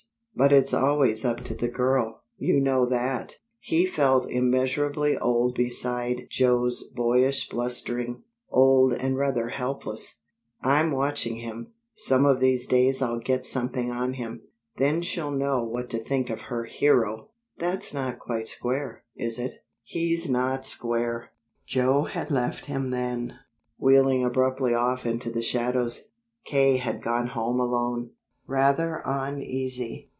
But it's always up to the girl. You know that." He felt immeasurably old beside Joe's boyish blustering old and rather helpless. "I'm watching him. Some of these days I'll get something on him. Then she'll know what to think of her hero!" "That's not quite square, is it?" "He's not square." Joe had left him then, wheeling abruptly off into the shadows. K. had gone home alone, rather uneasy.